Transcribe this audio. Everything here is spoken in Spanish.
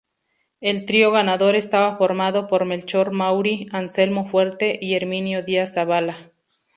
El trío ganador estaba formado por Melchor Mauri, Anselmo Fuerte y Herminio Díaz Zabala.